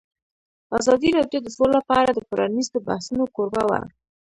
ازادي راډیو د سوله په اړه د پرانیستو بحثونو کوربه وه.